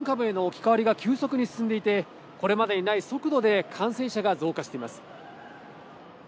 ここ、韓国でもオミクロン株への置き換わりが急速に進んでいて、これまでにない速度で感染者が増加しています。